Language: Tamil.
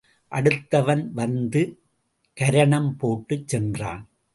அடுத்தவன் வந்து கரணம் போட்டுச் சென்றான்.